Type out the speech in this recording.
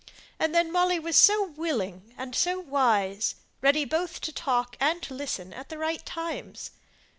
And then Molly was so willing and so wise; ready both to talk and to listen at the right times.